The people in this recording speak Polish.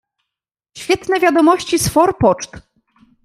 "Świetne wiadomości z forpoczt."